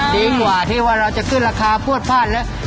ดีกว่าที่ว่าเราจะขึ้นราคาพวดพลาดแล้ว